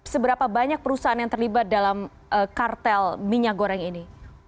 seberapa banyak perusahaan yang terlibat dalam kartel minyak goreng ini